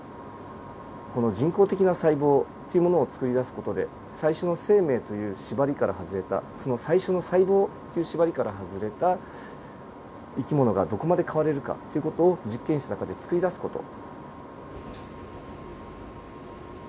この人工的な細胞っていうものをつくり出す事で最初の生命という縛りから外れたその最初の細胞という縛りから外れた生き物がどこまで変われるかという事を実験室の中でつくり出す事。